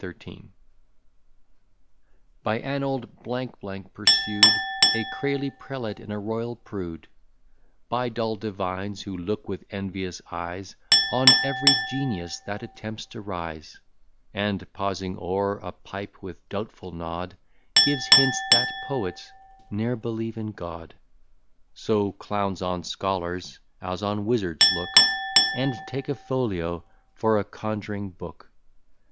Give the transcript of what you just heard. By an old pursued, A crazy prelate, and a royal prude; By dull divines, who look with envious eyes On ev'ry genius that attempts to rise; And pausing o'er a pipe, with doubtful nod, Give hints, that poets ne'er believe in God. So clowns on scholars as on wizards look, And take a folio for a conj'ring book.